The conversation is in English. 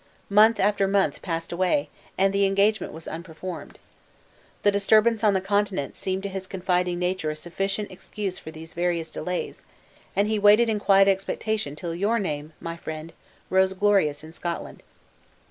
Month after month passed away, and the engagement was unperformed. The disturbance on the Continent seemed to his confiding nature a sufficient excuse for these various delays; and he waited in quiet expectation till your name, my friend, rose glorious in Scotland.